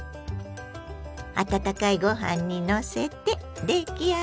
温かいご飯にのせて出来上がり。